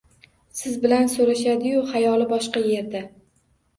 Siz bilan so‘rashadi-yu, xayoli boshqa yerda.